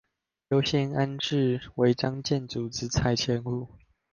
優先安置違章建築之拆遷戶